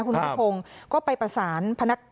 คุณพระโทษก็ไปภัยการ